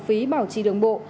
phí bảo trì đường bộ